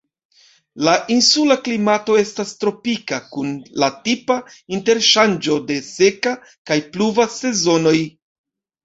La insula klimato estas tropika, kun la tipa interŝanĝo de seka kaj pluva sezonoj.